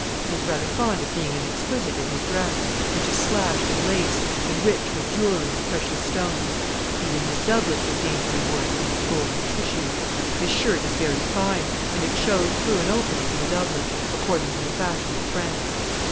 He is rather fond of being an exquisite in his dress, which is slashed and laced, and rich with jewelry and precious stones; even his doublets are daintily worked and of golden tissue; his shirt is very fine, and it shows through an opening in the doublet, according to the fashion of France.